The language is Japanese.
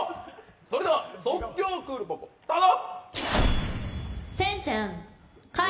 それでは即興クールポコ、スタート。